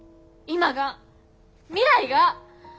今が未来が。